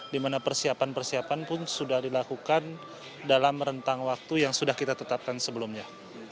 di mana persiapan persiapan pun sudah dilakukan dalam rentang waktu yang sudah kita tetapkan sebelumnya